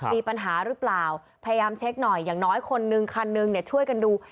มีปัญหาหรือเปล่าพยายามเช็คหน่อยอย่างน้อยคนนึงคันนึงเนี่ยช่วยกันดู